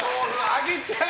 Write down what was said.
あげちゃう！